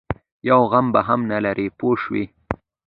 یو غم به هم نه لري پوه شوې!.